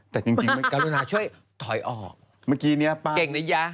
แต่จริงกรุณาช่วยถอยออกเก่งในยา